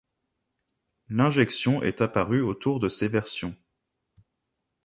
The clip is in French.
L'injection est apparue autour de ces versions.